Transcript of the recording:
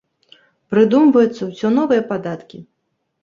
Прыдумваюцца ўсё новыя падаткі.